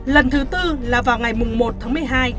lần thứ tư là vào ngày một tháng một mươi hai